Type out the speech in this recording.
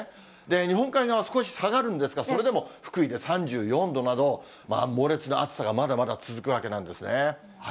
日本海側、少し下がるんですが、それでも福井で３４度など、猛烈な暑さがまだまだ続くわけなんですね。